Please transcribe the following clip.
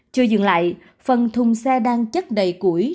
chưa dừng lại phần thùng xe đang chất đầy củi